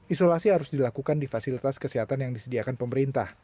isolasi harus dilakukan di fasilitas kesehatan yang disediakan pemerintah